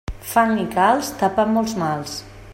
Fang i calç tapen molts mals.